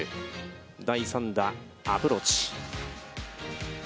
第３打、アプローチ。